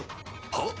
はっ？